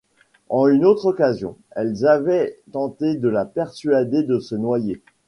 En une autre occasion, elles avaient tenté de la persuader de se noyer.